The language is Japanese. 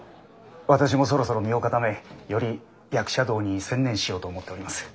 私もそろそろ身を固めより役者道に専念しようと思っております。